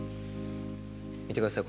見てください